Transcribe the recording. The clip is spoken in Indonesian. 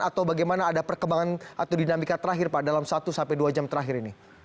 atau bagaimana ada perkembangan atau dinamika terakhir pak dalam satu sampai dua jam terakhir ini